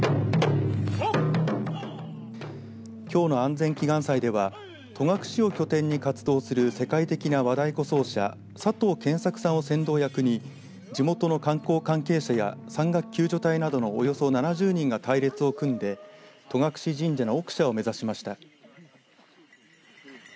きょうの安全祈願祭では戸隠を拠点に活動する世界的な和太鼓奏者佐藤健作さんを先導役に地元の観光関係者や山岳救助隊などのおよそ７０人が隊列を組んで戸隠神社の奥社を目指しました。